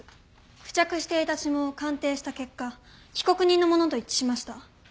付着していた指紋を鑑定した結果被告人のものと一致しました。